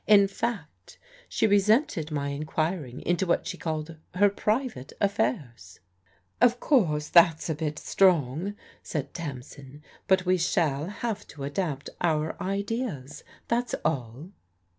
In fact she resented my enquiring into what she called ' her private affairs/ " "Of course that's a bit strong," said Tamsin, "but we shall have to adapt our ideas. That's all."